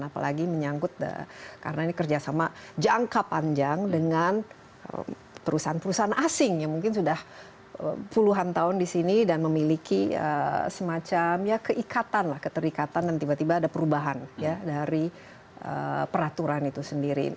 apalagi menyangkut karena ini kerjasama jangka panjang dengan perusahaan perusahaan asing yang mungkin sudah puluhan tahun di sini dan memiliki semacam ya keikatan lah keterikatan dan tiba tiba ada perubahan ya dari peraturan itu sendiri